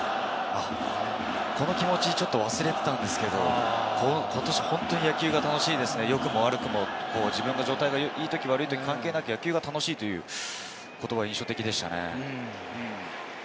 この気持ち、ちょっと忘れてたんですけれども、ことし本当に野球が楽しいですね、よくも悪くも自分の状態がいいとき悪いとき関係なく野球が楽しいという言葉が印象的でしたね。